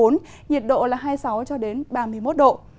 nhiệt độ là hai mươi sáu ba mươi một độ